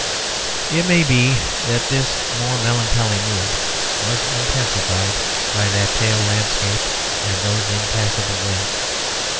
It may be that this more melancholy mood was intensified by that pale landscape and those impassable ways.